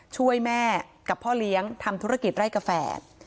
ช่วยแม่กับพ่อเลี้ยงทำธุรกิจไร่กาแฟ